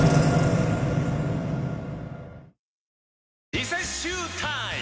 リセッシュータイム！